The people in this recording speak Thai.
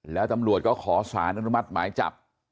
แล้วตำรวจก็ขอสารอนุมัติหมายจับ